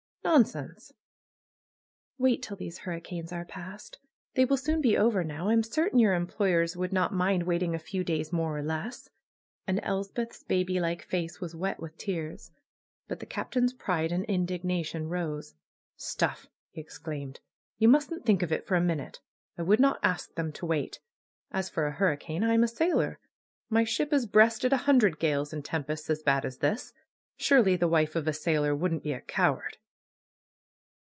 "Nonsense !" "Wait till these hurricanes are past ! They will soon be over now. I'm certain your employers would not mind waiting a few days more or less.^^ THE KNELL OF NAT PAGAN ISl And Elspeth's baby like face was wet with tears. But the Captain^s pride and indignation rose. ^^Stuff!" he exclaimed. ^^You mustn't think of it for a minute. I would not ask them to wait. As for a hurricane! I'm a sailor. My ship has breasted a hundred gales and tempests as bad as this. Surely the wife of a sailor wouldn't be a coward